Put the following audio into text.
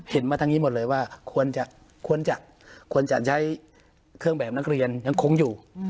มาทางนี้หมดเลยว่าควรจะใช้เครื่องแบบนักเรียนยังคงอยู่